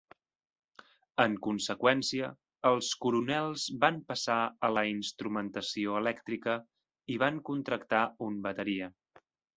En conseqüència, els coronels van passar a la instrumentació elèctrica i van contractar un bateria.